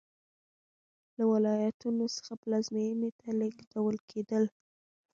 له ولایتونو څخه پلازمېنې ته لېږدول کېدل